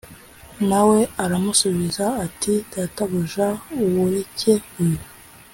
Na we aramusubiza ati Databuja uwureke uyu